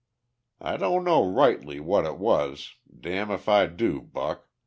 I don't know rightly what it was, damn if I do, Buck!